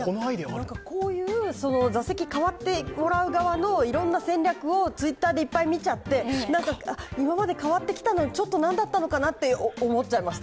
こういう座席代わってもらう側のいろんな戦略をＴｗｉｔｔｅｒでいっぱい見ちゃって今まで代わってきたのはちょっとなんだったのかなと思っちゃいました。